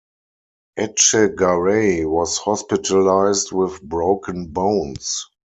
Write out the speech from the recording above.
Etchegaray was hospitalized with broken bones.